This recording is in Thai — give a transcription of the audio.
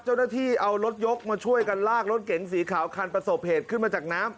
เจ้าหน้าที่เอารถยกมาช่วยกันลากรถเก๋งสีขาวคันประสบเหตุขึ้นมาจากน้ำ